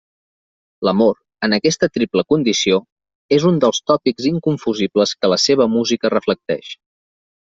L'amor, en aquesta triple condició, és un dels tòpics inconfusibles que la seva música reflecteix.